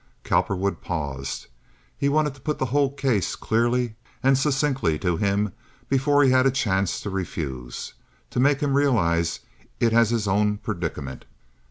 Cowperwood paused. He wanted to put the whole case clearly and succinctly to him before he had a chance to refuse—to make him realize it as his own predicament.